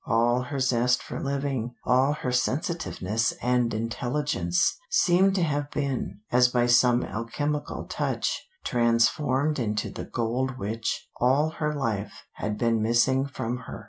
All her zest for living, all her sensitiveness and intelligence seemed to have been, as by some alchemical touch, transformed into the gold which, all her life, had been missing from her.